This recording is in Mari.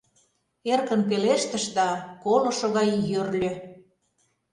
— эркын пелештыш да колышо гай йӧрльӧ.